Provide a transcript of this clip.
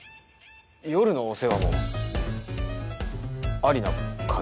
夜のお世話もありな感じで？